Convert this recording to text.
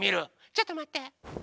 ちょっとまって。